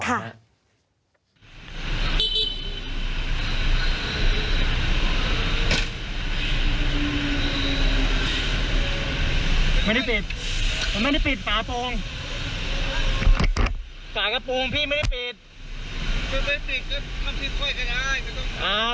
เขาปิดค่อยใช้อารมณ์